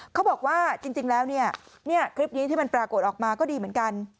เขาบอกว่าจริงแล้วเนี่ยคลิปนี้ที่มันปรากฏออกมาก็ดีเหมือนกัน